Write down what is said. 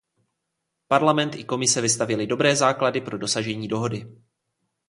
Parlament i Komise vystavěly dobré základy pro dosažení dohody.